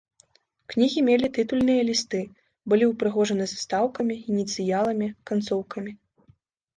Кнігі мелі тытульныя лісты, былі ўпрыгожаны застаўкамі, ініцыяламі, канцоўкамі.